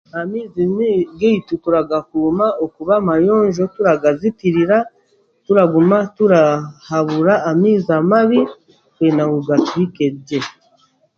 Amaizi geitu turagakuuma okuba amayonjo turagazitirira turaguma turahabura amaizi amabi kwenda ngu gatuhike gye.